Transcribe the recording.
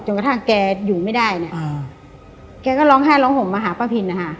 จนกระทั่งแกอยู่ไม่ได้แกก็ร้องห้าร้องห่มมาหาป้าพิน